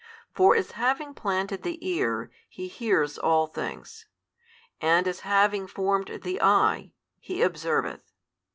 For as having planted the ear, He hears all things, and as having formed the eye, He observeth.